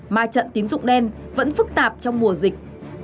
mà trận tín dụng đen vẫn phức tạp trong mùa dịch